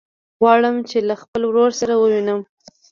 غواړم چې له خپل ورور سره ووينم.